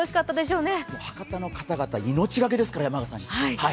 博多の方々、命懸けですから、山笠に。